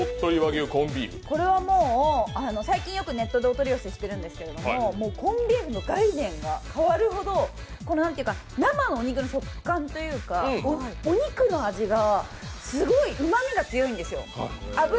これはもう、最近よくネットでお取り寄せしているんですけどコンビーフの概念が変わるほど、生のお肉の食感というか、お肉の味がすごい、うまみが強いんですよ。